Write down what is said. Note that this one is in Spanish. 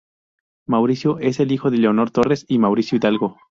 Mauricio es el hijo de Leonor Torres y Mauricio Hidalgo.